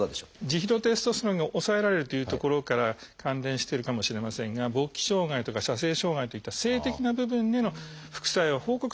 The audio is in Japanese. ジヒドロテストステロンが抑えられるというところから関連してるかもしれませんが勃起障害とか射精障害といった性的な部分での副作用は報告されてます。